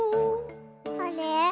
あれ？